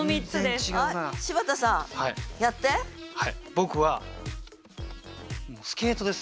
僕は「スケート」です。